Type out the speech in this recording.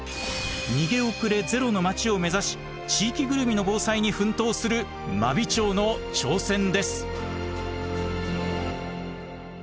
「逃げ遅れゼロの町」を目指し地域ぐるみの防災に奮闘する真備町の挑戦です。